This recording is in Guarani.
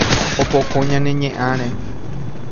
Opoko ñane ñe'ãre